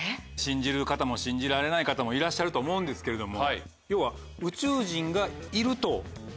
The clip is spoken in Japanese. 信じる方も信じられない方もいらっしゃると思うんですけれども要は。